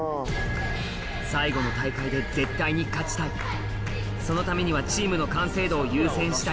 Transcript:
最後の大会で絶対に勝ちたいそのためにはチームの完成度を優先したい